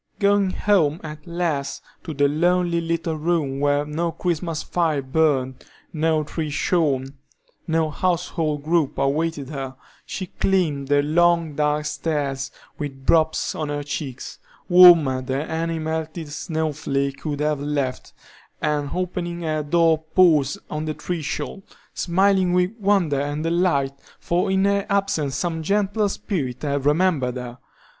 Going home, at last, to the lonely little room where no Christmas fire burned, no tree shone, no household group awaited her, she climbed the long, dark stairs, with drops on her cheeks, warmer than any melted snow flake could have left, and opening her door paused on the threshold, smiling with wonder and delight, for in her absence some gentle spirit had remembered her.